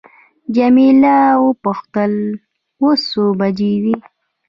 جميله وپوښتل اوس څو بجې دي.